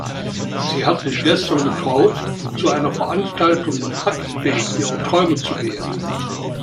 Sie hat sich gestern getraut, zu einer Veranstaltung im Hackspace ihrer Träume zu gehen.